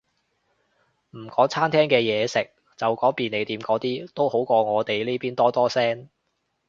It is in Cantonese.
唔講餐廳嘅嘢食，就講便利店嗰啲，都好過我哋呢邊多多聲